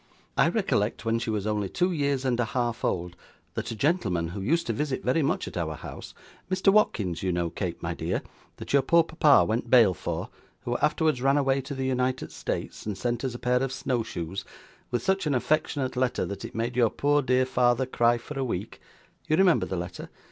I recollect when she was only two years and a half old, that a gentleman who used to visit very much at our house Mr Watkins, you know, Kate, my dear, that your poor papa went bail for, who afterwards ran away to the United States, and sent us a pair of snow shoes, with such an affectionate letter that it made your poor dear father cry for a week. You remember the letter?